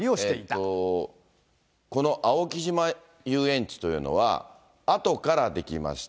だからこの青木島遊園地というのはあとから出来ました。